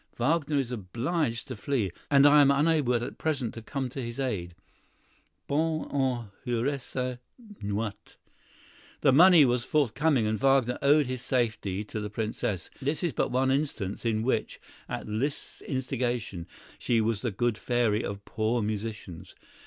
Wagner is obliged to flee, and I am unable at present to come to his aid. Bonne et heureuse nuit." The money was forthcoming, and Wagner owed his safety to the Princess. This is but one instance in which, at Liszt's instigation, she was the good fairy of poor musicians.